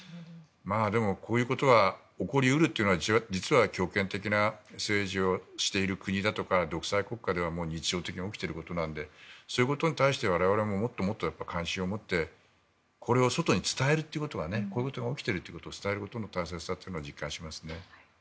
でもこういうことは起こり得るというのは実は強権的な政治をしている国だとか独裁国家では日常的に起きていることなのでそういうことに対して我々ももっともっと関心を持ってこれを外に伝えるということはこういうことが起きていると伝えることの大切さを実感します。